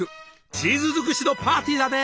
チーズづくしのパーティーだね。